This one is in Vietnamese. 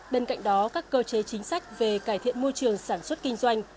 bên cạnh đó các cơ chế chính sách về cải thiện môi trường sản xuất kinh doanh